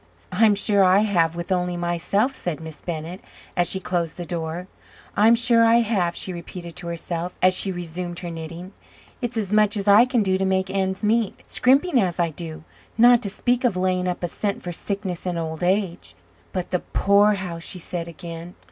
"I'm sure I have, with only myself," said Miss Bennett, as she closed the door. "I'm sure I have," she repeated to herself as she resumed her knitting; "it's as much as I can do to make ends meet, scrimping as I do, not to speak of laying up a cent for sickness and old age." "But the poorhouse!" she said again.